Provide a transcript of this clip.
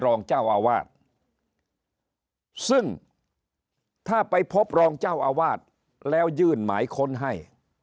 รองเจ้าอาวาสซึ่งถ้าไปพบรองเจ้าอาวาสแล้วยื่นหมายค้นให้